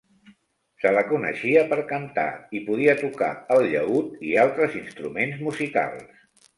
Se la coneixia per cantar i podia tocar el llaüt i altres instruments musicals.